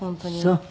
そう。